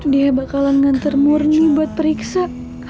dia bakalan nganter murni buat periksa